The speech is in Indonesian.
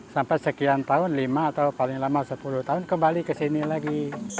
sampai sekian tahun lima atau paling lama sepuluh tahun kembali ke sini lagi